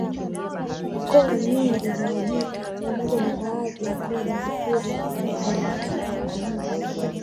Koo nyingi za Wajita pamoja na baadhi ya koo za Wakurya walipita huko